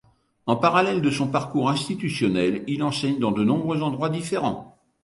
En parallèle de son parcours institutionnel, il enseigne dans de nombreux endroits différents.